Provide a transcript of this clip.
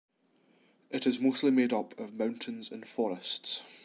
It is mostly made up of mountains and forests.